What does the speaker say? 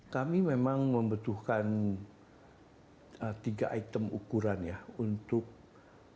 kami memang membutuhkan tiga item ukuran ya untuk batuan atau jasa pengiriman